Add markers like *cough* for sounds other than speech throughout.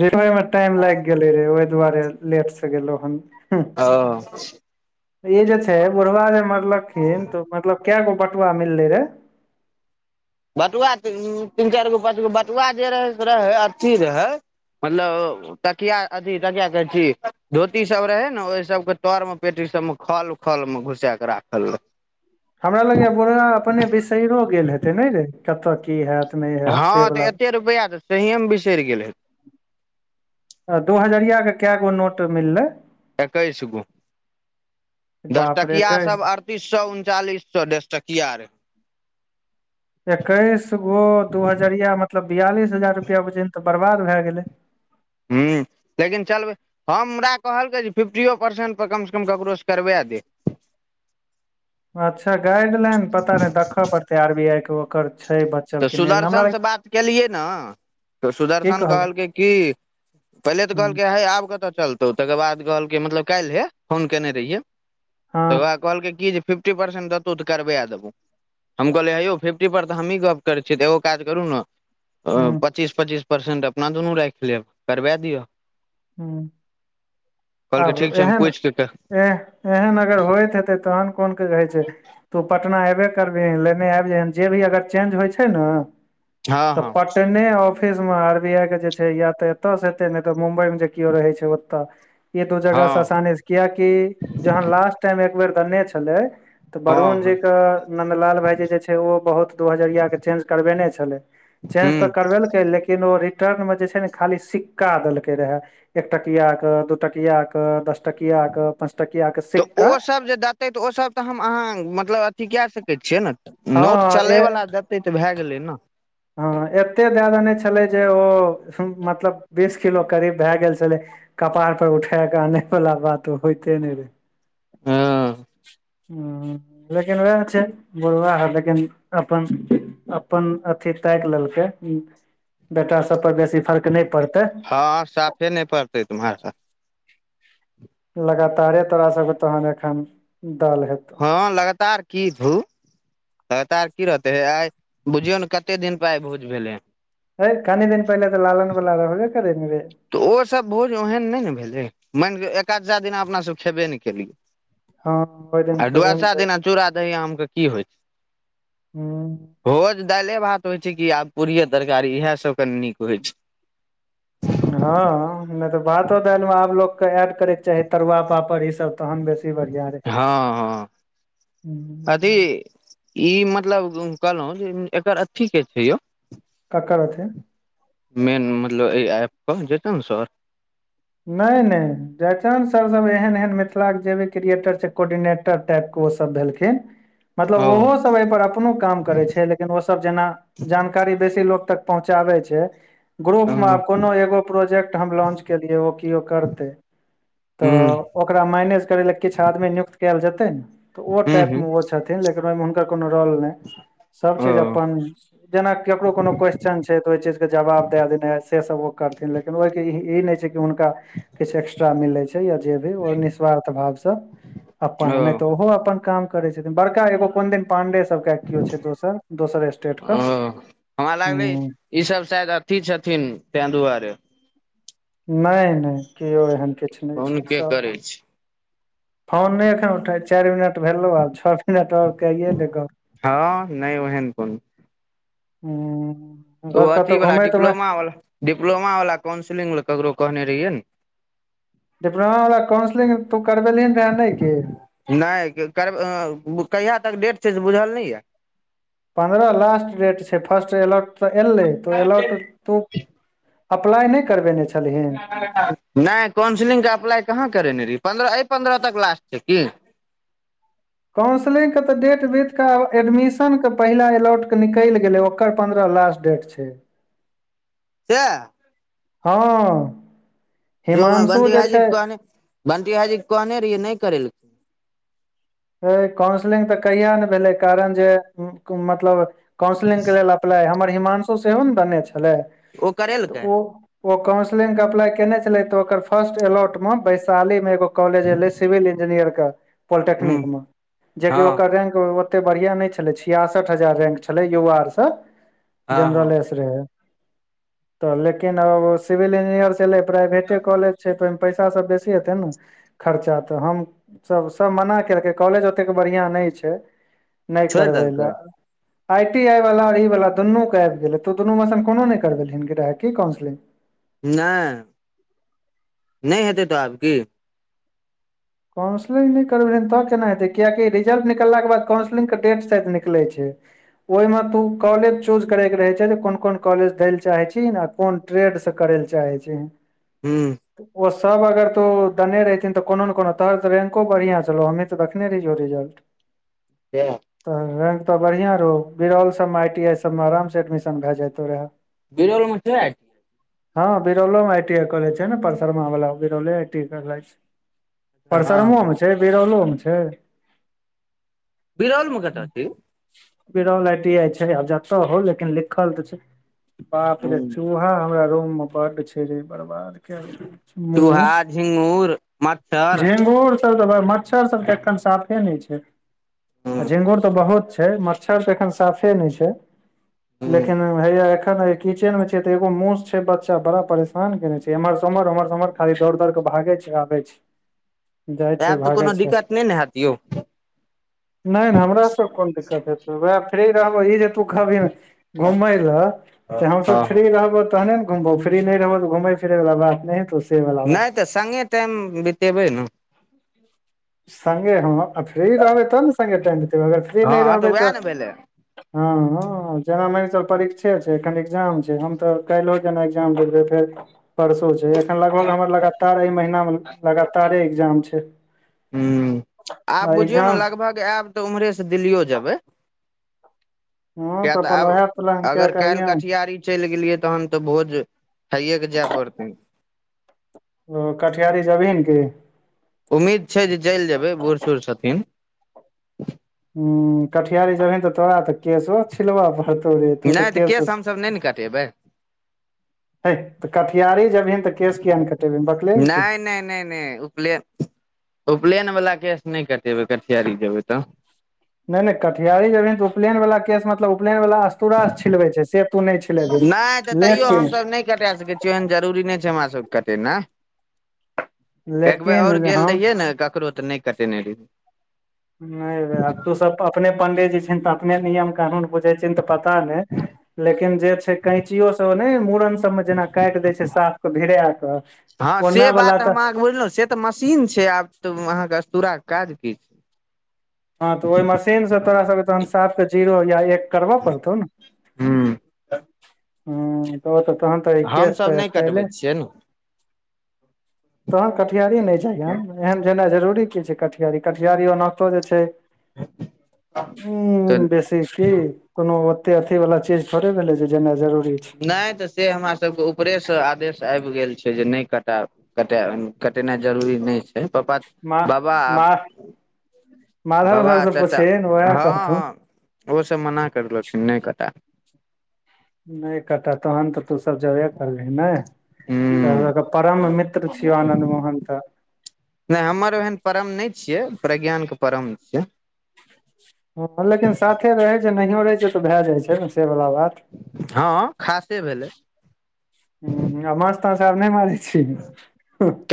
रुमे म टाइम लाइग गेलै रे ओए दुआरे लेट स गेलै हन ओ *inaudible* ई जे छै बुढ़वा जे मरलखिन तऽ मतलब कगो बटुआ मिललै रे बटुआ तीन तीन चार गो पाँच गो बटुआ जे रहै से रहै अथी रहै *unintelligible* तकिया अथी तकिया कह छी धोती सब रहे न ओहि सब के तर मे पेटी सब म खल खल में घुसा कऽ राखल रहै *inaudible* हमरा लगै य बुड़बा अपने बीशेरों गेल हेतैए नै रे तक की हैत नहि हैत से हँ तऽ बला एते रुपैआ तऽ सहिए म बिसेर गेल हेते अ दू हजरिया केँ कै गो नोट मिललै एकैस गो *inaudible* दस बाप रे टकिआ एकैस सब आर तीस सौ उनचालिस सौ दस टकिआ रहे एकैस गो दू हजरिया मतलब बियालिस हजार रुपैआ बुझहीन तऽ बर्बाद भए गेलै हू लेकिन चलबै हमरा कहलकै जे फिफ्टिओ परसेंट पर कम सँ कम ककरो सँ करवा दे अच्छा गाइडलाइन पता नहि दखअ पड़तै आर बी आई केँ ओकर छै ब तऽ सुदर्शन सऽ बात केलियै न तऽ की सुदर्शन कहलक कहलकै की पहिले तऽ हूँ कहलकै है आब कतऽ चल तो तकर बाद कहलकै मतलब काइले फोन केने रहियै *inaudible* तकर हँ बाद कहलकै कि ज फिफ्टी परसेंट देतौ तऽ करबा देबौ हम कहलिय हेयो फिफटी पर तऽ हमही गप गप करै छिय तऽ एगो काज करू न हूँ पच्चीस पच्चीस परसेंट अपना दुनू राइख लेब करबा दिअ हू *inaudible* कहलकै आब ठीक छै हम एहन पूछि कऽ एह एहन अगर होइत हेतै तहन कोन कऽ कहै छै तू पटना ऐबे करबिहीन लेने आबि जेहिये जे भी अगर चेंज होइ छै न हँ तऽ हँ पटने ऑफिस म आर बी आई केँ जे छै या तऽ एतऽ से हेते नहि तऽ मुम्बई में जे किओ रहे छै ओतऽ ई दू जगह स हँ आसानी स किया कि जहन लास्ट टाइम एक बेेर देने छलै तऽ हँ वरुण हँ जी के नन्दलाल भायजी जे छै ओ बहुत दू हजरिया के चेंज करबेने छलै चेंज हूँ तऽ करबेलकै लेकिन ओ रिटर्न मे जे छै न खाली सिक्का देलकै रहै एकटकिया कऽ दूटकिया कऽ दस टकिया कऽ पाँच टकिया कऽ स तऽ ओ सब जे देतै तऽ ओ सब तऽ हम अहाँ मतलब अथी कए सकै छियै न हँ नोट ए चलय बला देतै तऽ भै गेलै नऽ हँ एते दाय नहि छलै जे ओ मतलब बीस किलो करीब भै गेल छलै कपार पर उठा कऽ आने वाला बात होइते नै रहे हँ *inaudible* ह लेकिन उएह छै बुढ़वा सब लेकिन अपन अपन ताइक लेलकै *inaudible* बेटा सब पर बेसी फर्क नहि पड़तै हँ साफे नहि पड़तै तऽ महराज लगातारे तोरा सब कऽ तहन एखन दल हेत हँ लगातार की भू लगातार की रहतै हे आइ बुझियौ न कते दिन पर आइ भोज भेलै हन हय कनि दिन पहिले तऽ लालन वला रहबे करे न रे तऽ ओ सब भोज ओहन नय ने भेलै मैन क एकादसा दिना अपना सब खेबे नै केलियै हँ ओहि दिन आ खेबे ने द्वादशा करै दिना चूड़ा दही आम के की होइ छै हूँ भोज दायले भात होइ छै कि आब पूड़िये तरकारी इएह सब कनि नीक होइ छै हँ हँ नय तऽ भातो दालि मे आब लोक के एड करेके चाही तरुआ पापड़ ई सब तहन बेसी बढ़िया हँ हँ कथी हूँ, ई मतलब कहलौ जे एकर अथी के छै यौ ककर अथे मेन मतलब एय ऐप पऽ जेतौ ने सर नय नय जयचंद्र सर सब एहन एहन मिथिलाक के जे बी क्रियएटर छै कोर्डिनेटर टाइप क ओ सब भेलखिन मतलब ओ ओहो सब यै पर अपनो काम करै छ लेकिन ओ सब जेना जानकारी बेसी लोको तक पहुँचाबै छै ग्रुप ह मे आब कोनो एगो प्रोजेक्ट हम लॉन्च केलियै ओ केओ करतै ह तऽ ओकरा मैनेज करै लए किछु आदमी नियुक्त कयल जेतै ना ओ ह टाइप ह मे ओ छथिन लेकिन ओई मे कोनो रोल नय सब ओ चीज अपन जेना केकरो कोनो क्वेश्चन छै त ओई चीज के जवाब दै देने हएत से सब ओ करथिन लेकिन ओई के इहि ई नय छै कि हुनका किछु एक्स्ट्रा मिलै छै या जे भी ओ निःस्वार्थ भाव स अपन ओ नय तऽ ओहो अपन काम करै छथिन बड़का एगो कोन दिन पांडे सबके केओ छै दोसर दोसर स्टेट क ओ हमरा लागलै हूँ ई सब शायद अथी छथिन तें दुआरे नय नय केओ एहन किछु नय फोन छै के सब करै छी फोन नय एखन उठ चारि मिनट भेलौ हन छ मिनट आओर कैइए ले गप हँ नहि ओहन कोनो हूँ ओ अथीवला डिप्लोमावला डिप्लोमावला काउंसिलिंग लए ककरो कहने रहियै ने डिप्लोमा वाला काउंसलिंग तू करबेलहिन रहै नै की नय करब कहिया तक डेट छै से बुझल नय य पन्द्रह लास्ट रेट छै फर्स्ट एलॉट तऽ एलै तऽ ओ एलॉट तू अपलाय नय क *unintelligible* नय काउन्सिलिंगके अप्लाइ कहाँ करेने रहियै पन्द्रह ऐ पन्द्रह तक लास्ट छै की काउन्सलिंग के तऽ डेट देखक एडमिशन के पहिला एलॉउट के निकलि गेलै ओकर पन्द्रह लास्ट डेक छै सेएह हँ जो हिमांशु बंदि जे भाएजी के छै कहने बंटि भाएजी के कहने रहियै नय करेलकै काउंसलिंग तऽ कहिया ने भेलै कारण जे उ कु मतलब काउन्सलिंगके लेल अप्लाइ हमर हिमांशु सेहो ने बने छलैय ओ तऽ करेलकै ओ ओ काउंसिलिंग के अप्लाई केयने छलै तऽ ओकर फर्स्ट एलौट मे वैशाली मे एगो कॉलेज एले सिविल इंजीनियर क हूँ पॉलिटेक्निक मे जेकि हँ ओकर रैंक ओते बढ़िया नय छलै छियासठ हजार रैंक छलै युव आर से हँ हँ जेनरलेस रहै तऽ लेकिन सिविल इंजीनियर सेलै प्राइवेटे कॉलेज छै त पैसा सब बेसी हेतै न खर्चा हम सब सब मना केलकै कॉलेज ओतेक बढ़िया नय छै नय छोड़ि करबै देलकै लए आई टी आई वाला ई वाला दुनू के आबि गेले तु दुनूमेश कोनो नय करवेलहिन गरहा कि काउंसलिंग नय नै हेतै तऽ आब की काउन्सलिंग नय करबेलहि तऽ केना हेतै कियकि रिजल्ट निकलाक बाद काउन्सलिंगके डेट शायद निकलै छै ओहिमे तू कॉलेज चूज करय के रहै छै जे कोन कोन कॉलेज दयला चाहै छी न कोन ट्रेड स करै लए चाहै छीही हू ओ सब अगर तू दने रहिथिन तऽ कोनो ने कोनो *unintelligible* तऽ रैंको बढ़िया छलौ हमही तऽ रखने रहियौ रिजलट किया तऽ रैंक तऽ बढ़िआँ रहौ बिरौल सम आई टी आई सबमे आरामसँ एडमिशन भए जाइतहु रहए बीरलो *unintelligible* हँ बिरौलों मे आईटी आई कॉलेज छै न परसरमा वाल बिरौले आई टी कॉले छै छियै हँ परसरमोमे छै बिरौलोमे छैय बिरौल मे कत छै यौ बिरौल आई टी आई छै आब जत होय लेकिन लिखल तऽ छै बापरे चूहा हमरा रूममे बड छै रै बर्बाद कैदे चूहा झिंगूर म झिंगुर सब त मच्छर सब त एखन साफे नय छै आ झिंगुर तऽ बहुत छै मच्छर तऽ एखन साफे न छै लेकिन ओ आयब हैय एख ने किचेन मे छै त एगो मुस छै बच्चा बड़ा परेशान केने छै एमहर स ओमहर, ओमहर स ओमहर खाली दौड़ दौड़ क भागै छै *unintelligible* आबै छी त आयब त कोनो दिकत नय ने हैत यौ नै नै हमरा स कोन दिकत हेतै वैह फ्री रहबै इ जे तों खहबिहिन घूमय ल से हमसब फ्री नहि रहबौ तहने घुमबौ फ्री नै रहबौ त घुमेै फिरै वला बात नै हेतौ से वला बात नै त संगे टाइम बितेबै न संगे हां आ फ्री रहबै त न संगे टाइम बितेबै अगर फ्री नय हँ तऽ रहबै त वएह ने भेलै हां आं जेना मइछौ परीक्षे छै एखन एग्जाम छै हम त काल्हियो केना एग्जाम देल जेतैक परसु छै, एखन लगभग हमर लगातार एहि महिना मे लगातारे एग्जाम छै हुं आब आ बुझियौ न एग्जाम लगभग आयब त उमहरेसं दिल्लीयो जेबै हँ किया तऽ त अपन आब उएह प्लान कए अगर कऽ काल्हि अइहन कटिहारी चलि गेलियै तहन त भोज खाइयएक जाय पड़तै ओ, कटिहारी जेबहिन कि उम्मीद छै जे चलि जेबै बुढ़ सुढ़ छथिन हुं कटिहारी जेबहिन त तोरा त केसो छिलब पड़तौ रे तु त नहि तऽ केस केश हमसभ नहि ने कटेबै हैय त कटिहारी जेबहिन त केस किया नय कटेबहिन बकलेल छी नै नै नै नै उपलेन उपलैनवला केस नय कटेबै कटिहारी जेबै त नै नै कटिहारी जेबहिन त उपलैन वला केस मतलब उपलैनवला अस्तुरा छिलबै छै, से तु नै छिलेबहिन नहि तऽ तैयो लेकिन हमसभ नहि कटा सकै छियै, एहन जरूरी नहि छै हमरा सबके कटेनाइ एक बेर लेकिन और गेल हम रहियै ने ककरो तऽ नै कटेने रहियै। नहि रे, आब तु सब अपने पंडितजी छिहीन तऽ अपने नियम कानून बुझै छिहिन तऽ पता नय लेकिन जे छै कैंचियो से नै मुड़न सबमे जेना काटि दै छै साफ के भिरा कऽ, ओना वला तऽ बुझलौं से तऽ मशीन छै आब तऽ अहाँ के अस्तुरा के काज कि हाँ तऽ ओहि मशीन से तोरा सबके तहन साफ के जीरो या एक करब पड़तौ ने हूँ हुँ ओ तऽ तखन तऽ केस हमसभ तऽ नहि स्टायले कटबै छियै ने तखन कटिहारी नहि जैहें, एहन जेनाइ जरुरी की छै कटिहारी, कटिहारी ओनाइतो जे छै छै, तऽ उंम्म बेस देखही, कोनो ओते अथिवला चीज थोड़े भेलै जे जेनाइ जरुरी नहि त से हमरा सबके उपरेसे आदेश आबि गेल छै जे नहि कटायब कटय कटेनाइ जरूरी नहि छै पपा मा मा माधव झा बाबा से चाचा पुछहीन वैह हँ कहथुन हँ ओ सब मना करलखिन, नय कटा नय कटा तखन तऽ तु सब जबे करलिहिन नै, तोरा हूँ सबके परम मित्र छियौ आनन्द मोहन तऽ नहि हमर ओहेन परम नहि छियै प्रज्ञान के परम छियै हुँ लेकिन साथे रहै जे नहियो रहै छै तऽ भए जाइ छै ने से बला बात हँ, खासे भेलै हुँ, आ माछ ताछ आब नय मारै छिहिं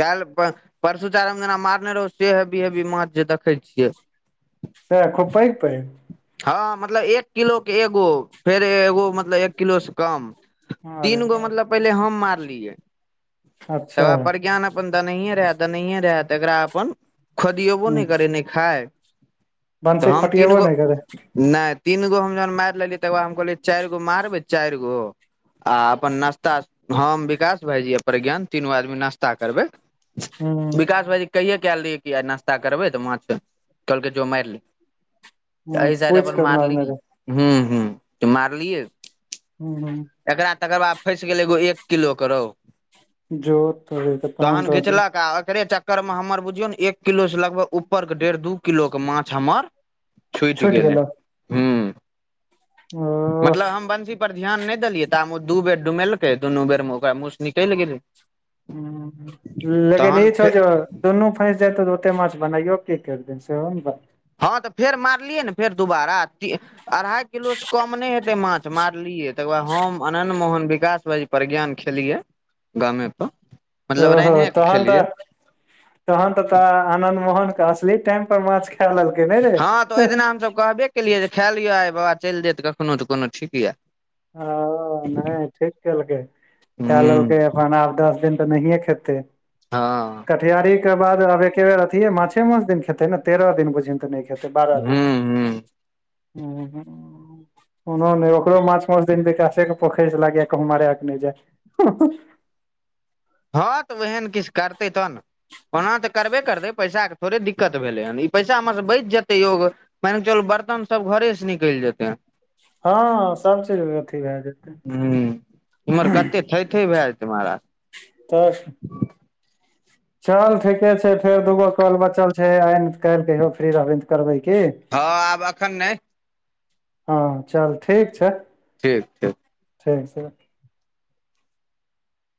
काल्हि, पर परसु चारिम दिना मारने रहौ से हेबी हेबी माछ जे देखै छियै सैह, खुब पैघ पैघ हँ मतलब एक किलो के एगो फेर एगो मतलब एक किलो से कम अरे तीन गो बाह मतलब पहिले हम मारलियै अच्छा तकर बाद प्रज्ञान अप अपन दनाे रहै दनाए रहै तऽ एकरा अपन खोदियोबो ह नय करै नय खाय बंसी तऽ हम तीन खोटियेबो गो नहि करै नय तीन गो हम जहन मारि लेलियै तकर बाद हम कहलियै चारि गो मारबै चारिगो आ अपन नाश्ता हम विकास भाइजी आ प्रज्ञान तीनू आदमी नाश्ता करबै ह विकास भाईजी कहिये कऽ एल रहियै कि आ नास्ता करबै तऽ माछ कहलकै जो मारि ले तऽ ह एहि साइड पूछि अपन कऽ मारलि मारने रहे हुँ हुँ तऽ मारलियै हूँ हूँ एकरा तकर बाद फँसि गेलै एगो एक किलोे के रोहु जोत तोड़ैके तहन तऽ घिचलक आ ओेकरे चक् कर मे हमर बुझियौ ने एक किलो से लगभग ऊपर के डेढ़ दू किलो के माछ हमर छुटि गेलै हूँ हँ मतलब हम बंशी पर ध्यान नहि देलियै ताब ओ दू बेर डुमेलकै दुनू बेरमे ओकरा मुँहस निकलि गेलै हुँ लेकिन तहन ई छौ फेर जे दुनू फँसि जैतौ तऽ कते माछ बनाइयो की करि तियैन सेहो ने बात हँ तऽ फेर मारलियै ने फेर दुोबारा अढ़ाइ किलो से कम नय हेतै माछ मारलियै तकर बाद हम अनन्न मोहन विकास भाइ प्रज्ञान खेलियै गामेपर ओहो तहन तऽ तहन तऽ तोरा आनद मोहन कऽ असली टाइम पर माछ खै लेलक हँ तऽ ओइ दिना हमसभ कहबे केलियै जे खाए लिअ आइ बाबा चैल देत कखनोहु तऽ कोनो ठीक यऽ *unintelligible* नहि ठीक केलकै खै हूँ लेलकै ओना अब दस दिन तऽ नहि खेते हँ कटयारी केँ बाद आब एके बेेर अथे माछे मांस दिन खेते न तेरह दिन बुझ तऽ नै खेते बारह दिन हूँ हूँ *inaudible* कोनो न ओकरो *unintelligible* हँ तऽ ओहन किछ करतै तऽ नऽ ओना तऽ करबे करतै पैसा कऽ थोड़े दिक्कत भेलै हन ई पैसा मऽ स बच जेतै योग मान कऽ चल बर्तन सब घरे से निकइल जेतै हँ सबचीज अथी भै जेतै हू उम्हर कते थै थै भै जेतै महराज *unintelligible* चल ठीके छै फेर दुगो कॉल बचल छै आइ नै तऽ काइल कहियो फ्री रहब तऽ करबै की हँ आब एखन नै हँ चल ठीक छै ठीक ठीक ठीक छै